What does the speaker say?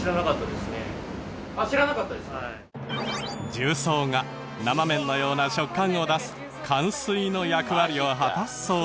重曹が生麺のような食感を出すかん水の役割を果たすそうで。